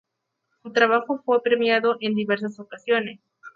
Su trabajo fue premiado en diversas ocasiones.